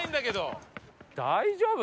大丈夫？